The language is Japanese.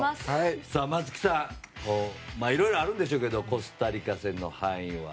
松木さんいろいろあるんでしょうけどコスタリカ戦の敗因は？